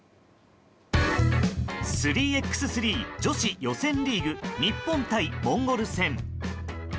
３ｘ３女子予選リーグ日本対モンゴル戦。